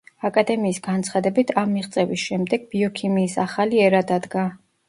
აკადემიის განცხადებით, ამ მიღწევის შემდეგ „ბიოქიმიის ახალი ერა“ დადგა.